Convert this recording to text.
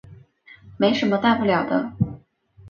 没什么大不了的